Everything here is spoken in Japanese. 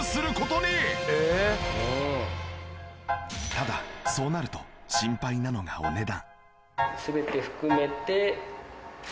ただそうなると心配なのがお値段。